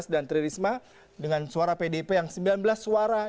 dan tririsma dengan suara pdp yang sembilan belas suara